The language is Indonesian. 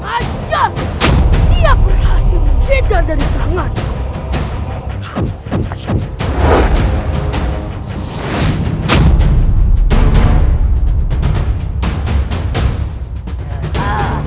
ternyata nenek tua itu sedang bertarung dengan pemanah bodoh